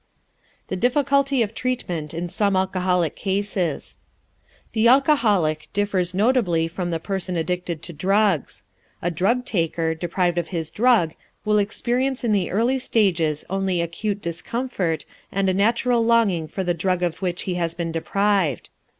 THE DIFFICULTY OF TREATMENT IN SOME ALCOHOLIC CASES The alcoholic differs notably from the person addicted to drugs. A drug taker, deprived of his drug, will experience in the early stages only acute discomfort and a natural longing for the drug of which he has been deprived.